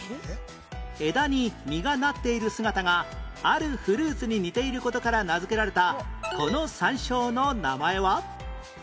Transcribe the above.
枝に実がなっている姿があるフルーツに似ている事から名付けられたこの山椒の名前は？